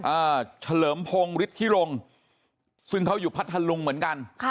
อ่าเฉลิมพงฆ์ฤทธิ์ภรรลงค์ซึ่งเขาอยู่พัดทะลุงเหมือนกัน